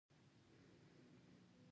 شین چای د سهار په وخت ډېر چک لږوی